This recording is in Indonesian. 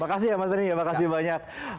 makasih ya mas denny ya makasih banyak